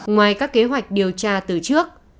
ngoài các kế hoạch điều tra từ trước